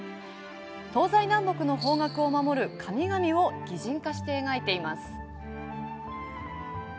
東西南北の方角を守る神々を擬人化して描いています。